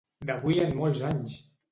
D'avui en molts anys!